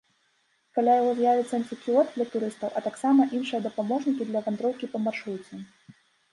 Каля яго з'явіцца інфакіёск для турыстаў, а таксама іншыя дапаможнікі для вандроўкі па маршруце.